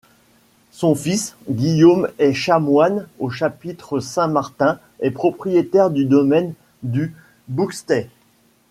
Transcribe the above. Son fils, Guillaume est chanoine au chapitre Saint-Martin et propriétaire du domaine du Bouxthay.